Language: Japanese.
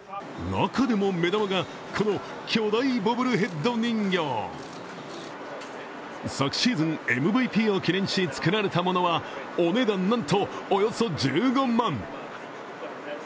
中でも目玉が、この巨大ボブルヘッド人形。昨シーズンＭＶＰを記念し作られたものはお値段、なんとおよそ１５万。